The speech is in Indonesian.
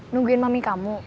nungguin mami kamu